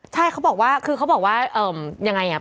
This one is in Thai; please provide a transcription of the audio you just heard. ใช่เขาบอกว่าคือเขาบอกว่ายังไงอ่ะ